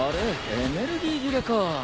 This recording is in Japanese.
エネルギー切れか。